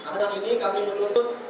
karena ini kami menuntut